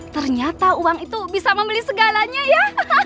ternyata uang itu bisa membeli segalanya ya